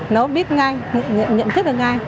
nó biết ngay nhận thức được ngay